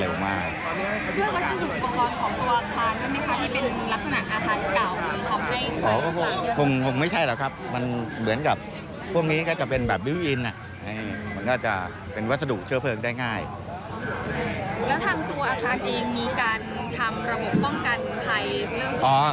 แล้วทางตัวอาคารเองมีการทำระบบป้องกันภัยเรื่องของ